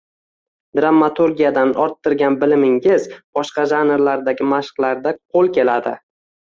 Dramaturgiyadan orttirgan bilimingiz boshqa janrlardagi mashqlarda qoʻl keladi